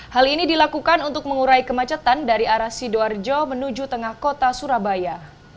hal ini dilakukan untuk mengurai kemacetan dari arah sidoarjo menuju tengah kota surabaya